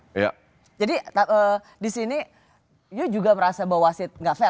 bukan kalau saya melihat begini